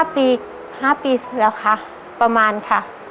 ๕ปีแล้วค่ะประมาณค่ะ